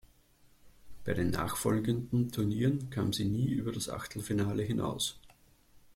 Bei den nachfolgenden Turnieren kam sie nie über das Achtelfinale hinaus.